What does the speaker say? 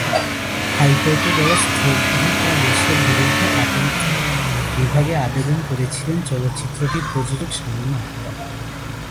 হাইকোর্টের দেওয়া স্থগিতাদেশের বিরুদ্ধে আপিল বিভাগে আবেদন করেছিলেন চলচ্চিত্রটির প্রযোজক শামীমা আক্তার।